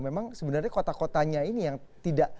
memang sebenarnya kota kotanya ini yang tidak